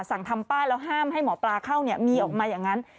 ทำป้ายแล้วห้ามให้หมอปลาเข้ามีออกมาอย่างนั้น